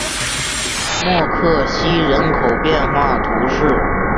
默克西人口变化图示